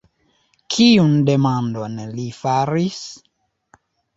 Kiun demandon li faris?